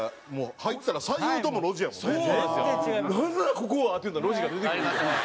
ここは！っていうと路地が出てくるんですよ。